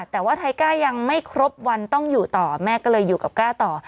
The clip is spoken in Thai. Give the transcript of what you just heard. แต่ว่าไทก้ายังไม่ครบวันต้องอยู่ต่อแม่ก็เลยอยู่กับก้าต่อ